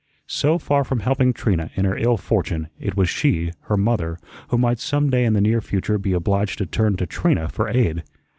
So far from helping Trina in her ill fortune, it was she, her mother, who might some day in the near future be obliged to turn to Trina for aid.